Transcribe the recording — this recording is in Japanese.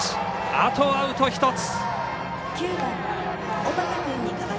あとアウト１つ。